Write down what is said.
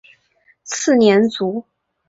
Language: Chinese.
次年卒。